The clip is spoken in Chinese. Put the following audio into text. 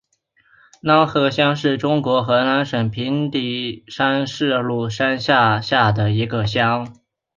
瀼河乡是中国河南省平顶山市鲁山县下辖的一个乡。